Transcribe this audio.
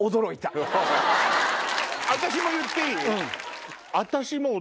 私も言っていい？